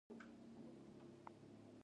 کوم چې د صوابۍ پۀ علاقه کښې دے